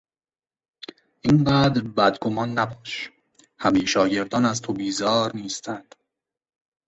اینقدر بدگمان نباش، همهی شاگردان از تو بیزار نیستند!